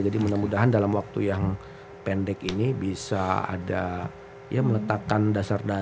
jadi mudah mudahan dalam waktu yang pendek ini bisa ada ya meletakkan dasar dasar